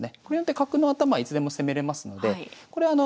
これによって角の頭いつでも攻めれますのでこれ